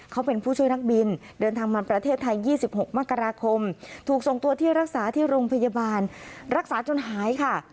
เขาเป็นผู้ช่วยนักบินเดินทางมาประเทศไทย๒๖มกราคมถูกส่งตัวที่รักษาที่โรงพยาบาลรักษาจนหายค่ะ